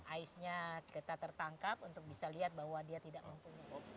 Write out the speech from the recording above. aisnya kita tertangkap untuk bisa lihat bahwa dia tidak mempunyai